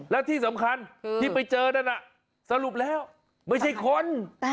และที่สำคัญที่ไปเจอนั่นน่ะสรุปแล้วไม่ใช่คน